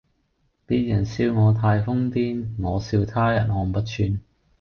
別人笑我太瘋癲，我笑他人看不穿